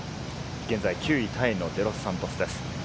現在９位タイのデロスサントスです。